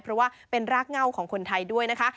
เพราะว่าเป็นรากเง่าของคนไทยด้วยนะคะ